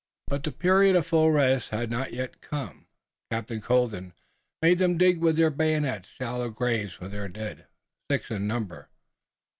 But the period of full rest had not yet come. Captain Colden made them dig with their bayonets shallow graves for their dead, six in number.